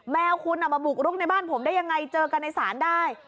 แมวคุณมาบุกรุกในบ้านผมได้ยังไงเจอกันในศาลได้